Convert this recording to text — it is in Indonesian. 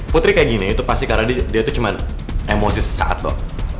putri kayak gini itu pasti karena dia tuh cuman emosi sesaat loh